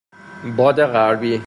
باد غربی